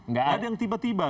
nggak ada yang tiba tiba